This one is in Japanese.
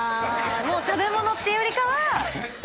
もう食べ物っていうよりかは。